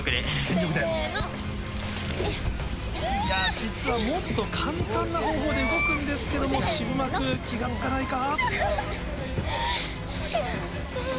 実はもっと簡単な方法で動くんですけども渋幕気が付かないか？